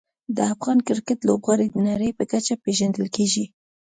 د افغان کرکټ لوبغاړي د نړۍ په کچه پېژندل کېږي.